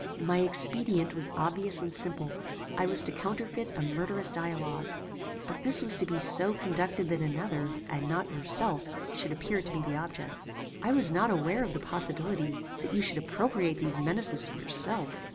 "My expedient was obvious and simple: I was to counterfeit a murderous dialogue; but this was to be so conducted that another, and not yourself, should appear to be the object. I was not aware of the possibility that you should appropriate these menaces to yourself.